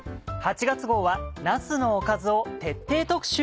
８月号はなすのおかずを徹底特集。